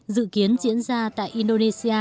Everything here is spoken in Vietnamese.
dự kiến diễn ra tại indonesia